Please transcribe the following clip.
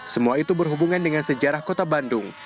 semua itu berhubungan dengan sejarah kota bandung